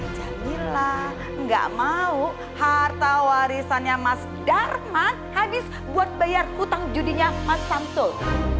jadilah nggak mau harta warisannya mas darman habis buat bayar hutang judinya mas samsul